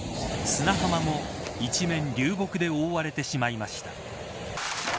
砂浜も一面、流木で覆われてしまいました。